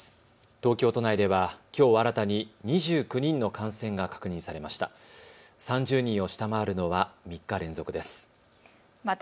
東京都内ではきょう新たに２９人の感染が確認されました。